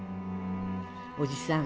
おじさん